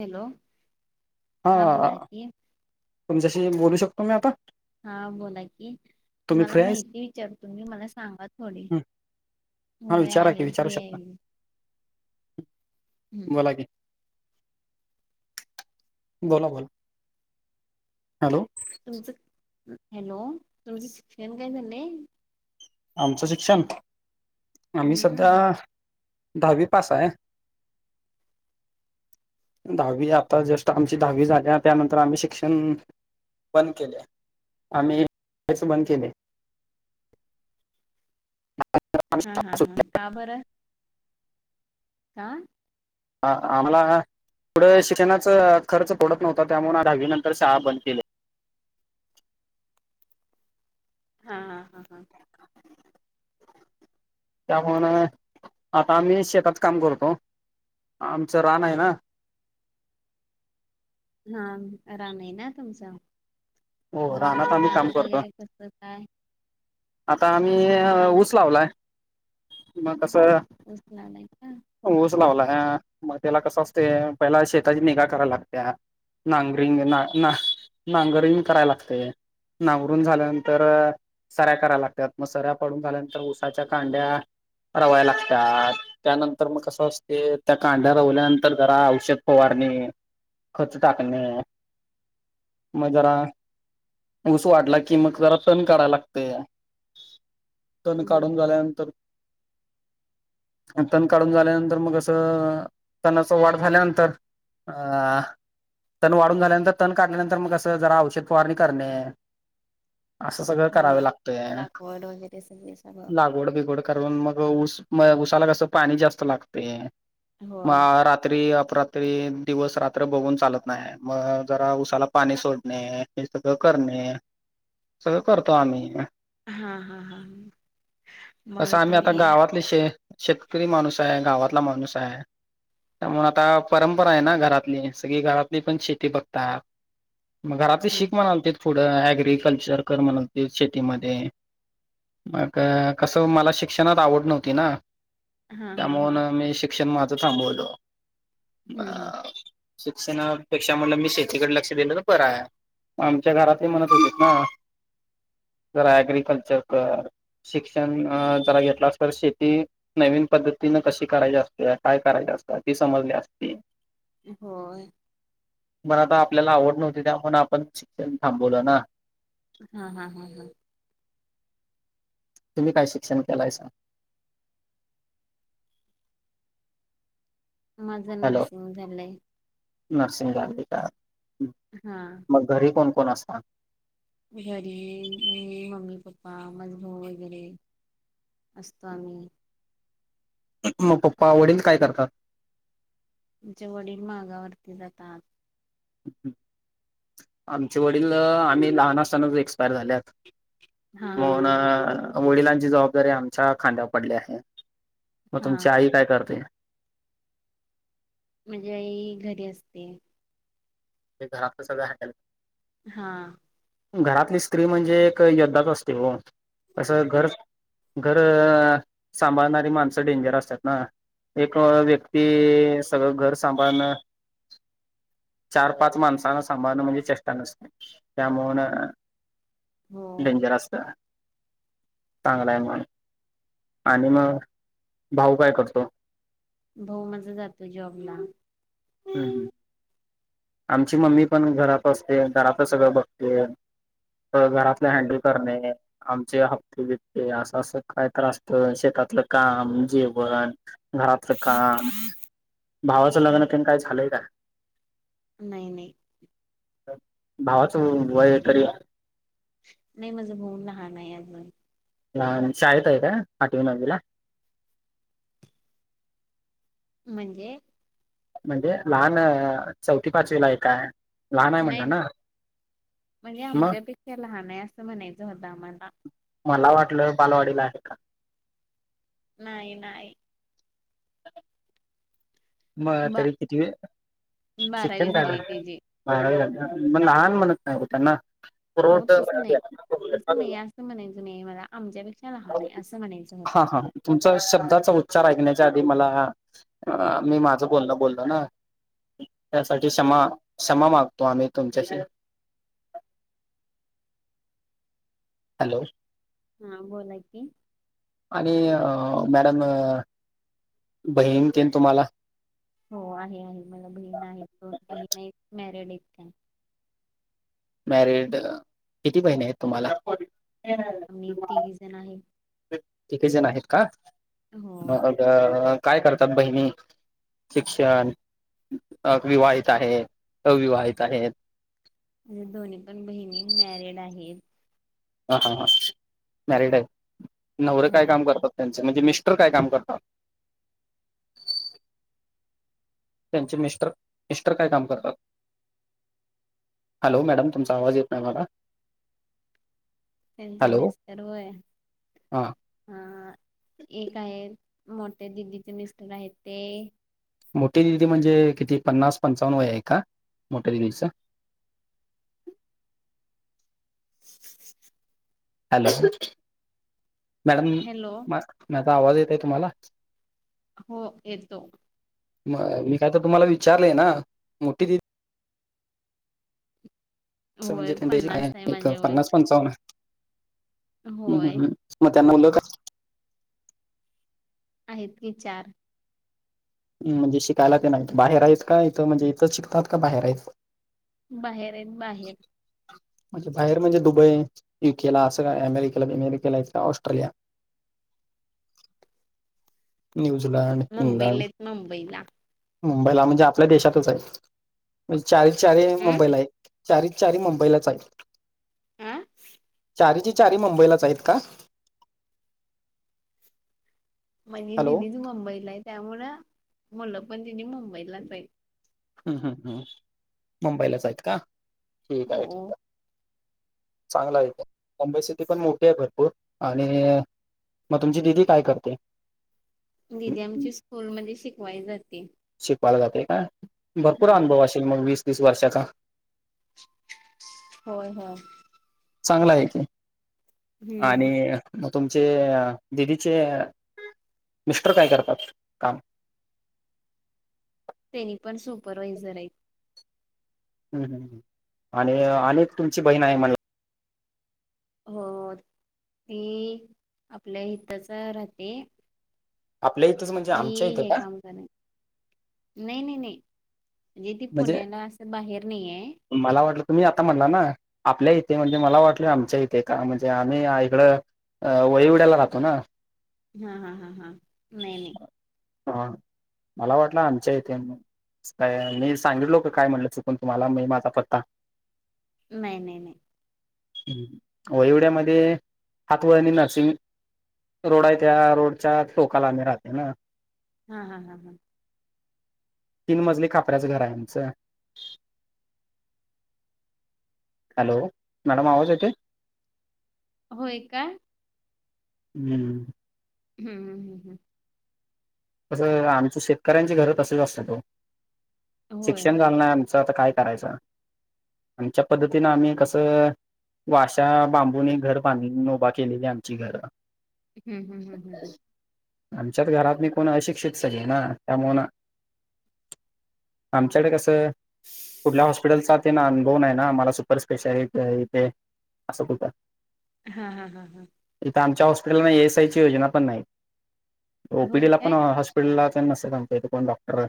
Hello! हा हां बोला की तुमच्याशी बोलू शकतो मी आता. हा बोला की, तुम्ही मला फ्री आहेस माहिती विचारा तुम्ही मला सांगा थोडी हं, हो व आहे डीम- हम्म बला की. बोला बोला. हॅलो! तुमचं हॅलो तुमचं शिक्षण काय झालंय? आमचं शिक्षण आम्ही संध्या हम्म दहावी पास आहे. दहावी आता जस्ट आमची दहावी झाल्या त्यानंतर आम्ही शिक्षण, बंद केल्या, आम्ही शिकायचं बंद केलेय. आम्ही हा हा शाळा हा सुटल्या. का बरं का ह आम्हाला पुढं शिक्षणाच खर्च परवडत नव्हता त्यामुळे दहावी नंतर शाळा बंद केली. हा हा हा हा त्यामुळे आता आम्ही शेतात काम करतो आमचं रान आहे ना. हा राण आहे ना तुमचं, हो मग आम्ही काम रानात करतो वगैरे कसं काय. आता आम्ही रानात ऊस लावलाय मग कसं. ऊस लावलाय का? ऊस लावलाय ह मग त्याला कसं असते पहिला शेताची निगा करायला लागत्या. नागरिंग ना ना नांगरिंग करायला लागतंय. नावरून झाल्यानंतर, सऱ्या करायला लागतात मग सऱ्या पडून झाल्यानंतर उसाच्या कांड्या, रवाय लागतात त्यान तर मग कसं असतय त्या कांढ्या रवल्यानंतर जरा औषध फवारणी. खच टाकणे मग जरा. ऊस वाढला की मग जरा तन काढायला लागतंय. तण हम्म हम्म. काढून झाल्यानंतर अन तण काढून झाल्यानंतर मग असं तणाच वाढ झाल्यानंतर अ तण वाढून झाल्यानंतर तण काल्यानंतर मग कसं जरा औषध फारणी करणे. असं सगळं करावं हा लागतंय लागवड वगैरे सगळे सगळं लागवड बिगवड करुन मग ऊस, उसाला कस पाणी जास्त लागते होय मग रात रात्री अपरात्री दिवस रात्र बघून चालत नाही, मग जरा उसाला पाणी सोडणे. हे सगळं करणे, सगळं करतो आम्ही. हा हा हा मग तुम्ही विषय शेतकरी आहे माणूस आहे गावातला माणूस आहे. त्यामुळेून आता परंपरा आहे ना घरातली सगळी घरातली पण शेती बघतात. मग घरातली हम्म शीख म्हणालते पुढं अग्रिकल्चर कर म्हणालते शेतीमध्ये. मग कसं मला शिक्षणात आवड नव्हती ना. हा हा हा त्यामुून मी शिक्षण माझं थांबवलो हम्म अ. हम्म शिक्षणापेक्षा म्हणलं मी शेतीकडे लक्ष दिलं तर बर हाय. आमच्या घरातही म्हणत होते ना. जरा अग्रिकल्चर शिक्षण जरा घेतला अस तर शेती नवीन पद्धतीनं कशी करायची असते काय करायचे असतं ती समजली असती. होय. मण आता आपल्याला आवड नव्हती त्यामुळे आपण शिक्षण थांबवलं ना. हा हा हा हा. तुम्ही काय शिक्षण केलाय सां? माझं हॅलो नर्सिंग झालंय. नर्सिंग झालंय का. हा. मग घरी कोण कोण असतात. घरी मी मम्मी पप्पा मज भाऊ वगैरे. असतो आम्ही. मग पप्पा आवडील काय करतात? आमच्या वडील म्गावरती जातात. आमचे वडील आम्ही लहान असतानाच एक्सपायर झाल्यात. हा हा हा ह म्हणून वडिलांची जबाबदारी आमच्या खांद्यावर पडली आहे. मग हा तुमची आई काय करते? म्हणजे आई घरी असते. ते घरातलं सगळं हटाल. हा. घरातली स्त्री म्हणजे एक यद्धाात असते हो तसं घर. घर सांभाळणारी माणसं डेंजर असतात ना. एक व्यक्ती सगळं घर सांभाळण. चार पाच माणसाना सांभाळणं म्हणजे चेष्टा नसते त्यामुन. होय डेंजरस चांगलाय म. आणि मग भाऊ काय करतो? भाऊ मजा जातो जॉब ला. हम्म हम्म. आमची मम्मी पण घरात असते घरातच सगळं बघते. घरातले हँडल करते. आमचे हप्ते बिपते असं असं काय त्रासत शेतातलं काम जेवण. घरातलं काम, भावाचं लग्न तेन काय झाले काय? नाही नाही. भावाच वय तरी नाही माझं भाऊ लहान आहे अजून. हा शाळेत आहे का आठवी नववीला? म्हणजे. म्हणजे लहान चौथी पाचवीला आहे काय? लहान आहे म्हणला नाही ना म्हणजे मग आमच्यापेक्षा लहान आहे असं म्हणायचं होतं आम्हाला. मला वाटलं बालवाडीला आहे का. नाही नाही. मग बा तरी कितवी शिक्षण बारावी काय झाली त्याची झालं? [unintelligible] मग लहान म्हणत नाहीत त्यांना [unintelligible] तस म्हणायचं नाही मला लहान आहे असं म्हणायच होत. हा हा तुमचा शब्दाचा उच्चार ऐकण्याच्या आधी मला मी माझं बोलण बोललो ना. त्यासाठी क्षमा क्षमा मागतो आम्ही तुमच्याशी. हॅलो. हा बोला की. आणि मॅडम बहीण तेन तुम्हाला? हो आहे आहे मला बहीण आहे दोन बहीण आहेत मॅरेड आहेत त्या. मॅरिड किती बहिने आहेत तुम्हाला? आम्ही तिघी जण आहे. तिघी जण आहेत का होय मग काय करतात बहिणी? शिक्षण अ विवाहित आहे अविवाहित आहेत. म्हणजे दोन्ही पण बहिणी मॅरिड आहेत. ह ह ह हम्म. मॅरिड आहे नवर काय हो काम करतात त्यांचे म्हणजे मिस्टर काय काम करतात? त्यांचे मिस्टर मिस्टर काय काम करतात? हॅलो मॅडम तुमचा आवाज येत नाय मला. त्यांचे हॅलो मिस्टर होय. हा हा एक आहे मोठ्या दिदीचे मिस्टर आहेत ते मोठी दिदी म्हणजे किती पन्नास पंचावन्नव आहे का मोठ्या दिदीचं? [inaudible] [unintelligible] हॅलो मॅडम हॅलो माझ माझा आवाज येतोय तुम्हाला? हो येतो. म मी काय तर तुम्हाला विचारलंय ना मोठी दा होय पन्नास [unintelligible] आहे एक माझे वय पन्नास पंचावन्न? हम होय हम मग त्यांना मुल काय? आहेत की चार. म्हणजे शिकायला तेन आहेत बाहेर आहेत का ईथ म्हणजे हितच शिकतात का बाहेर आहेत? बाहेर आहेत बाहेर. म्हणजे बाहेर म्हणजे दुबई युकेला असं काय अमेरिकेला अमेरिकेला आहेत का ऑस्ट्रेलिया? न्यूझीलंड इंग्लंड मुंबईला आहेत मुंबईला मुंबईला म्हणजे आपल्या देशातच आहे चारी चारी हम्म मुंबईला आहे. चारीच चारी मुंबईलाच आहेत. आ चारीच्या चारी मुंबईलाच आहेत का? म्हणजे हॅलो दिनीच मुंबईला आहे त्यामुळं मुलं पण तिनी मुंबईलाच हाईत. ह्म हम मुंबईलाच आहेत का ठीक आहे ठीक हो आहे. चांगला आहे मुंबई सिटी पण मोठी आहे भरपूर. आणि मग तुमची दिदी काय करते? दिदी आमची स्कूलमध्ये शिकवाय जाते. शिकवायला जाते काय भरपूर हा. अनुभव असेल मग वीस तीस वर्षाचा. होय होय. चांगला आहे की हम्म आणि मग तुमचे दिदीचे मिस्टर काय करतात काम? तेनी पण सुपरवायझर आहेत. हम्म हम्म हम्म आणि अनेक तुमची बहीण आहे म्हणला. हो ती आपल्या हितच राहते. आपल्या इथंच म्हणजे ती आमच्या इथं हे का काम करेन. नाही नाही नाही म्हणजे ती म्हणजे पुण्याला असं बाहेर नाहीये. मला वाटलं तुम्ही आता म्हणला‌ ना आपल्या इथे म्हणजे मला वाटलं आमच्या इथे का म्हणजे आम्ही हिकडं अ वईवड्याला राहतो ना. हा हा हा हा. नाही नाही. हा मला वाटलं आमच्या इथे आहे म्हणून. तसं काय सांगितलो का काय म्हटलं चुकून तुम्हाला मी माझा पत्ता. नाही नाही नाही. हम्म वळिवड्यामध्ये हात वळणी नर्सिंग रोड आहे त्या रोडच्या टोकाला आम्ही राहतोय ना. हा हा हा हा. तीन मजली खापऱ्याच घर आहे आमचं. हॅलो. मॅडम आवाज येतोय? होय का? हम्म. हम्म हम्म हम्म हम्म. तसं आमचं शेतकऱ्यांची घर तसंच असत्यात ओ. होय शिक्षण होय झालं नाही आमचं आता काय करायचं? आमच्या पद्धतीनं आम्ही कसं वाशा बांबून घर [unintelligible] उभा केलेली आमची घर. हम्म हम्म हम्म हम्म हम्म. आमच्याच घरातनी पण अशिक्षित सगळी ना, त्यामुळं ना आमच्याकडं कसं कुठल्या हॉस्पिटलचा तेन अनभव नाही ना. मला सुपर स्पेशालिटी आहे इथे असं कुठं हा हा हा हा. इथं आमच्या हॉस्पिटललां ईएसआयची योजना पण नाही. होय ला पण काय हॉस्पिटलला नसतंय आमच्या इथं कोण डॉक्टर.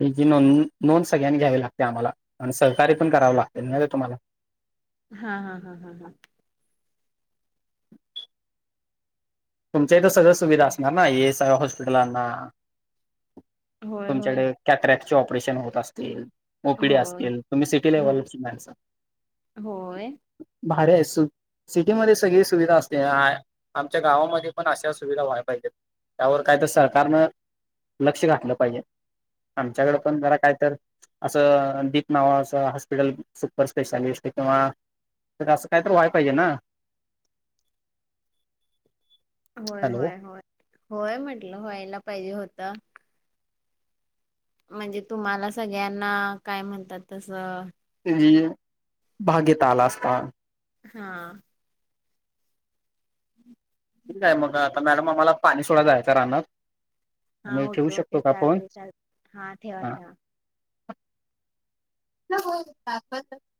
तुमची नोंदणी नोंद सगळ्यांनी घ्यावी लागते आम्हाला आणि सहकार्य पण करावं लागतंय. माहित आहे तुम्हाला? हा हा हा हा हा. तुमच्या इथं सगळं सुविधा असणार ना ईएसआय हॉस्पिटलांना. होय होय तुमच्याकडं कॅ-क्रॅकचे ऑपरेशन होत असतील? ओपीडी होय असतील, तुम्ही सिटी हो लेव्हलची माणसं. होय भारी आहे सु सिटीमध्ये सगळी सुविधा असते. आमच्या गावामध्ये पण अशा सुविधा व्हाय पाहिजेत. त्यावर काय तर सरकारनं लक्ष घातलं पाहिजे. आमच्याकडं पण जरा काय तर असं दीप नावाच असं हॉस्पिटल सुपर स्पेशालिस्ट किंवा त्यात असं काय तर व्हाय‌ पाहिजे ना. होय हॅलो होय होय. होय म्हटलं व्हायला पाहिजे होतं. म्हणजे तुम्हाला सगळ्यांना, काय म्हणतात तसं. हम्म भागीत आला असता. हा. [unintelligible] ठीक आहे मग आता मॅडम, आम्हाला पाणी सोडाय जायचं रानात. हा आम्ही ठेवू ओके ओके शकतो का फोन चालतय चालतय, हा ठेवा ठेवा.. [unintelligible]